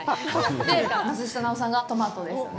松下奈緒さんがトマトですよね。